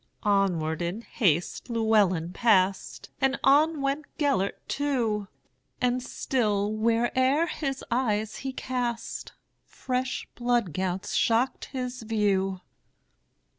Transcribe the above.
Onward, in haste, Llewelyn passed, And on went Gêlert too; And still, where'er his eyes he cast, Fresh blood gouts shocked his view.